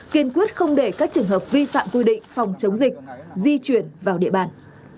kiên quyết không để các trường hợp vi phạm quy định phòng chống dịch di chuyển vào địa bàn